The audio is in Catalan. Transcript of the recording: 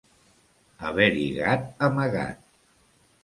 Haver-hi gat amagat.